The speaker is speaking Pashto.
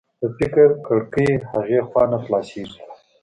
د فکر کړکۍ هغې خوا نه خلاصېږي